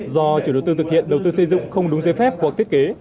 do chủ đầu tư thực hiện đầu tư xây dựng không đúng giấy phép hoặc thiết kế